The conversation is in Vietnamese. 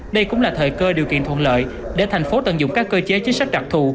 đây cũng là thời cơ điều kiện thuận lợi để thành phố tận dụng các cơ chế chính sách đặc thù